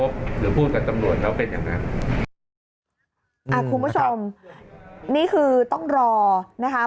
คุณผู้ชมนี่คือต้องรอนะคะ